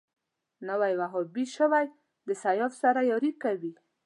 نوی وهابي شوی د سیاف سره ياري کوي